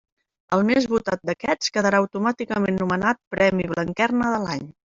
El més votat d'aquests quedarà automàticament nomenat Premi Blanquerna de l'any.